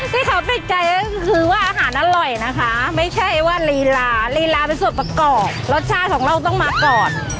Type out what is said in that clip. ที่เขาติดใจก็คือว่าอาหารอร่อยนะคะไม่ใช่ว่าลีลาลีลาเป็นส่วนประกอบรสชาติของเราต้องมาก่อน